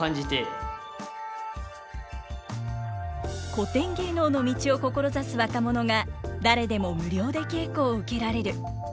古典芸能の道を志す若者が誰でも無料で稽古を受けられる。